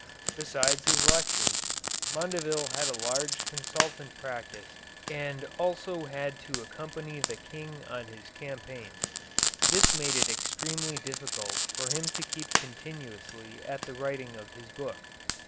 Besides his lectures, Mondeville had a large consultant practice and also had to accompany the King on his campaigns. This made it extremely difficult for him to keep continuously at the writing of his book.